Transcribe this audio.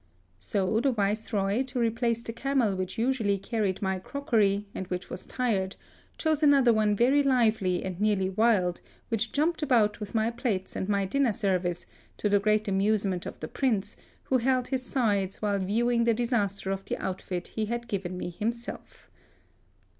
So the Viceroy, to replace the camel which usually carried my crockery, and which was tired, chose an other one very lively and nearly wild, which jumped about with my plates and my din ner service, to the great amusement of the Prince, who held his sides while viewing the disaster of the outfit he had given me him self.